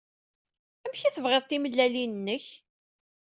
Amek ay tebɣiḍ timellalin-nnek?